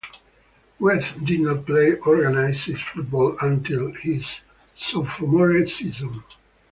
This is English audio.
Weah did not play organized football until his sophomore season.